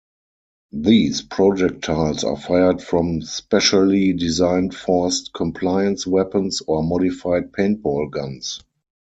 These projectiles are fired from specially designed forced compliance weapons or modified paintball guns.